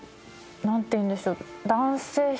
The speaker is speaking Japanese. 何ていうんでしょう。